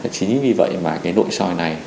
chính vì vậy mà cái nội soi này